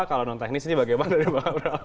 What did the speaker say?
kalau non teknis ini bagaimana